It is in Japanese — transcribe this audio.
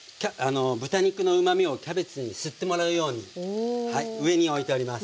豚肉のうまみをキャベツに吸ってもらうように上においております。